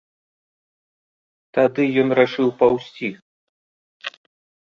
Тады ён рашыў паўзці.